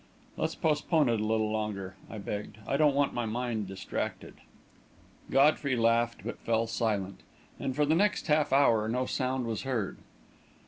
"Let's postpone it a little longer," I begged. "I don't want my mind distracted." Godfrey laughed, but fell silent; and for the next half hour, no sound was heard.